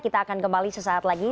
kita akan kembali sesaat lagi